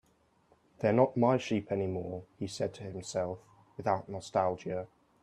"They're not my sheep anymore," he said to himself, without nostalgia.